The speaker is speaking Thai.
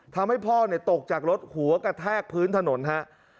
ทำให้พ่อตกจากรถหัวกระแทกพื้นถนนฮะ